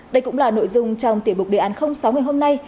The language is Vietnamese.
đây cũng là nội dung trong tiềm bục đề án sáu ngày hôm nay